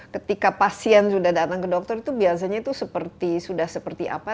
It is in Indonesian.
ketika pasien sudah datang ke dokter itu biasanya itu sudah seperti apa